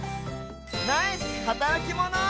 ナイスはたらきモノ！